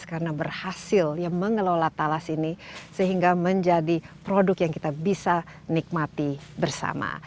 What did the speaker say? karena berhasil yang mengelola talas ini sehingga menjadi produk yang kita bisa nikmati bersama